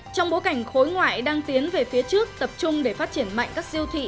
trong bối cảnh khối ngoại đang tiến về phía trước tập trung để phát triển mạnh các siêu thị